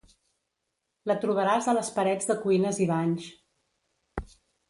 La trobaràs a les parets de cuines i banys.